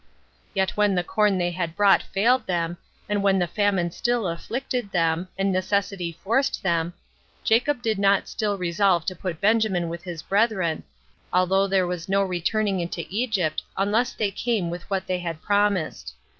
Yet when the corn they had brought failed them, and when the famine still afflicted them, and necessity forced them, Jacob did 7 [not] still resolve to send Benjamin with his brethren, although there was no returning into Egypt unless they came with what they had promised.